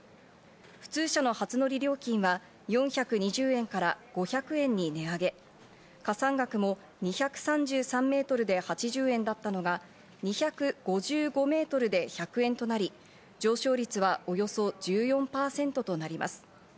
普通車の初乗り料金は４２０円から５００円に値上げ、加算額も２３３メートルで８０円だったのが２５５メートルで１００円となり、上昇率はおよそ１４％となります。